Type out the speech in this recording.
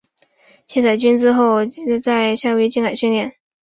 卸载军资后班宁顿号在夏威夷近海训练。